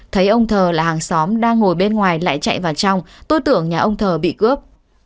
thấy ông thờ là hàng xóm đang ngồi bên ngoài lại chạy vào trong tư tưởng nhà ông thờ bị cướp